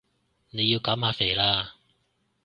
你要減下肥啦